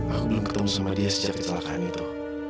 aku belum ketemu sama dia sejak kecelakaan itu